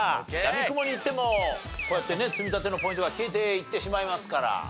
やみくもにいってもこうやってね積み立てのポイントが消えていってしまいますから。